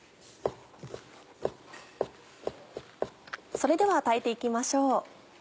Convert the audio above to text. それでは炊いて行きましょう。